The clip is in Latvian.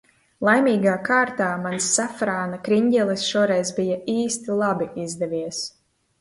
Laimīgā kārtā mans safrāna kriņģelis šoreiz bija īsti labi izdevies.